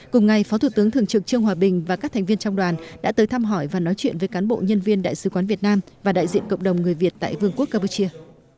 cùng ngày phó thủ tướng thường trực trương hòa bình và các thành viên trong đoàn đã tới thăm hỏi và nói chuyện với cán bộ nhân viên đại sứ quán việt nam và đại diện cộng đồng người việt tại vương quốc campuchia